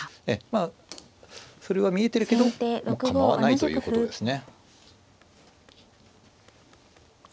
あそれは見えてるけどもう構わないということですね。